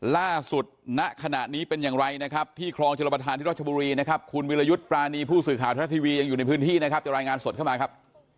ล่าสุดณขณะนี้เป็นอย่างไรนะครับที่ครองเจริญาประธานที่รอชบุรีนะครับ